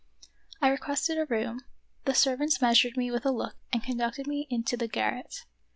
I requested a room ; the servant measured me with a look and conducted me into the garret.